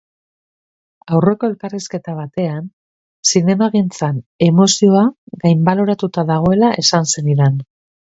Aurreko elkarrizketa batean, zinemagintzan emozioa gainbaloratuta dagoela esan zenidan.